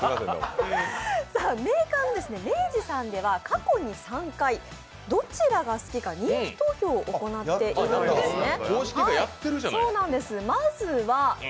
メーカーの明治さんでは過去に３回、どちらが好きか人気投票を行っているんですね。